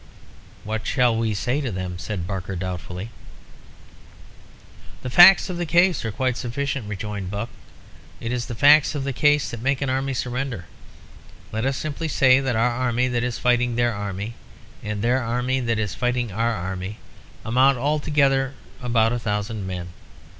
"What shall we say to them?" said Barker, doubtfully. "The facts of the case are quite sufficient," rejoined Buck. "It is the facts of the case that make an army surrender. Let us simply say that our army that is fighting their army, and their army that is fighting our army, amount altogether to about a thousand men.